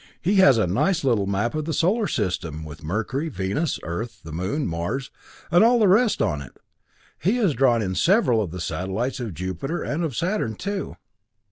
He has a nice little map of the solar system, with Mercury, Venus, Earth, the Moon, Mars, and all the rest on it. He has drawn in several of the satellites of Jupiter and of Saturn too."